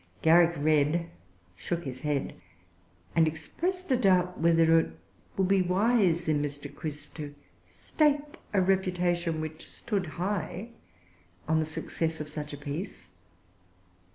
Garrick read, shook his head, and expressed a doubt whether it would be wise in Mr. Crisp to stake a reputation, which stood high, on the success of such a piece.